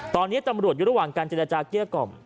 ตอนนี้ตำรวจอยู่ระหว่างการเจรจาเกลี้ยกล่อม